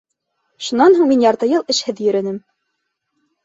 Шунан һуң мин ярты йыл эшһеҙ йөрөнөм.